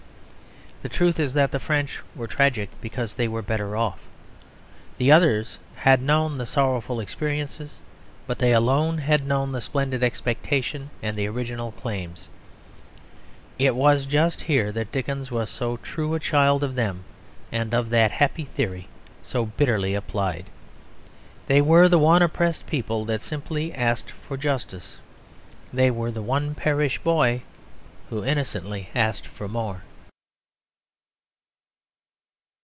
The truth is that the French were tragic because they were better off. The others had known the sorrowful experiences; but they alone had known the splendid expectation and the original claims. It was just here that Dickens was so true a child of them and of that happy theory so bitterly applied. They were the one oppressed people that simply asked for justice; they were the one Parish Boy who innocently asked for more.